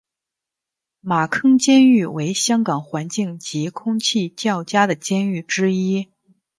马坑监狱为香港环境及空气较佳的监狱之一。